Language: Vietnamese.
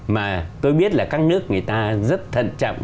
mà tôi biết là các nước người ta rất thận trọng